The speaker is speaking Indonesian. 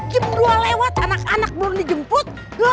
jam dua lewat anak anak belum dijemput